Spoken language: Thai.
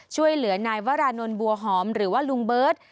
ช่วยเหลือนายวรานนท์บัวหอมหรือว่าลุงเบิร์ต